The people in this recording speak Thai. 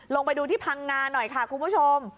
ลงไปดูที่พังงาหน่อยค่ะคุณผู้ชม